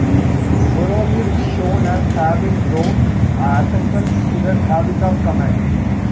Boromir is shown as having grown accustomed to the habit of command.